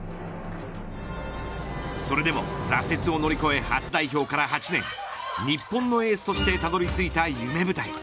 それで挫折を乗り越え初代表から８年日本のエースとしてたどり着いた夢舞台。